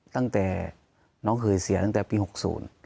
ตั้งแต่น้องเคยเสียตั้งแต่ปีหกศูนย์